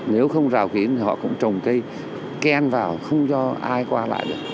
nếu không rào kín thì họ cũng trồng cây ken vào không cho ai qua lại được